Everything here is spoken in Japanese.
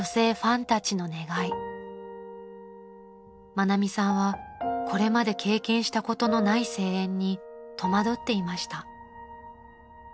［愛美さんはこれまで経験したことのない声援に戸惑っていました］